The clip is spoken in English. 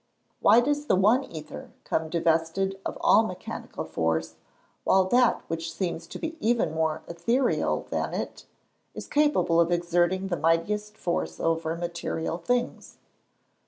Why does the one ether come divested of all mechanical force, while that which seems to be even more ethereal than it, is capable of exerting the mightiest force over material things?